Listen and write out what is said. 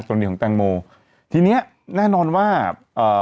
ส่วนดีของแตงโมทีเนี้ยแน่นอนว่าอ่า